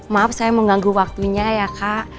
maaf saya mengganggu waktunya ya kak